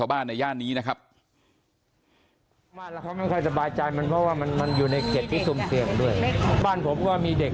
บ้านผมก็มีเด็กเล็ก